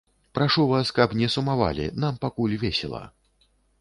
Прашу вас, каб не сумавалі, нам пакуль весела.